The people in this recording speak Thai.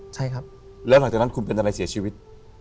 ใช่ครับแล้วหลังจากนั้นคุณเป็นอะไรเสียชีวิต